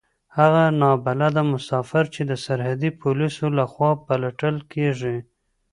هغه نا بلده مسافر چې د سرحدي پوليسو له خوا پلټل کېږي.